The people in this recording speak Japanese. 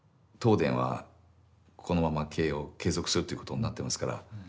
東電はこのまま経営を継続するということになってますから。